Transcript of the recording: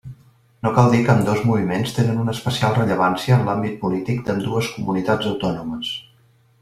No cal dir que ambdós moviments tenen una especial rellevància en l'àmbit polític d'ambdues comunitats autònomes.